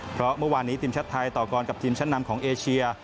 เพราะเมื่อวานนี้ทีมชาติไทยต่อกรกับทีมชั้นนำของเอเชีย